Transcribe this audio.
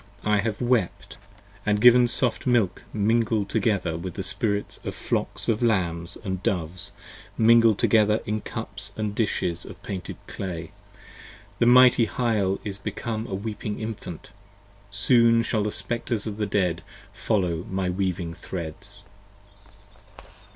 I have wept: And given soft milk mingled together with the spirits of flocks Of lambs and doves, mingled together in cups and dishes Of painted clay; the mighty Hyle is become a weeping infant: Soon shall the Spectres of the Dead follow my weaving threads.